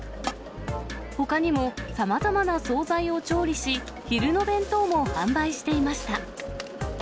ほかにもさまざまな総菜を調理し、昼の弁当も販売していました。